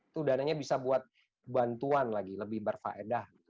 itu dananya bisa buat bantuan lagi lebih berfaedah